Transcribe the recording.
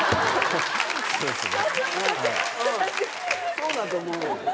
そうだと思う。